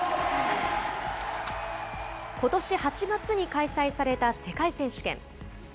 ことし８月に開催された世界選手権。